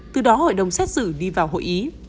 từ đó hội đồng xét xử đi vào hội ý